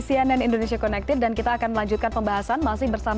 sehingga beban kita tidak menjadi berat